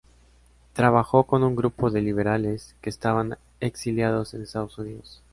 Trabajó con un grupo de liberales que estaban exiliados en Estados Unidos.